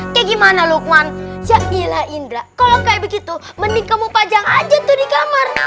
ke gimana lukman jadilah indra kalau kayak begitu mending kamu pajak aja tuh di kamar